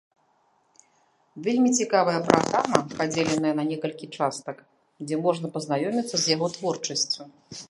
Вельмі цікавая праграма, падзеленая на некалькі частак, дзе можна пазнаёміцца з яго творчасцю.